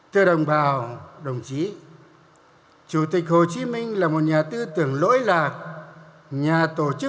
thưa đồng bào đồng chí chủ tịch hồ chí minh là một nhà tư tưởng lỗi lạc